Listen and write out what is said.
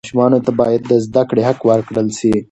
ماشومانو ته باید د زده کړې حق ورکړل سي.